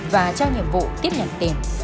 và trao nhiệm vụ tiếp nhận tiền